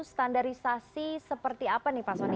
standarisasi seperti apa nih pak soni